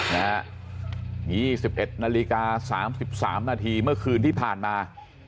๒๑นาฬิกา๓๓นาทีเมื่อคืนที่ผ่านมา